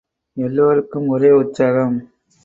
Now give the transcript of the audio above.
எல்லோருக்கும் ஒரே உற்சாகம்.